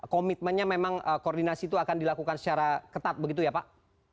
komitmennya memang koordinasi itu akan dilakukan secara ketat begitu ya pak